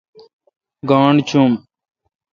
گاݨڈ چوم۔